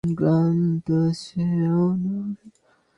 চলো, চলো।